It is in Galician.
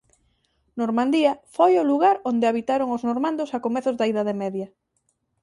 Normandía foi o lugar onde habitaron os normandos a comezos da Idade Media.